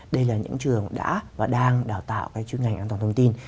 đây là những trường đã và đang đào tạo cái chuyên ngành an toàn thông tin